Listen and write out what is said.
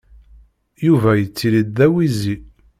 Yuba yettili-d d awizi.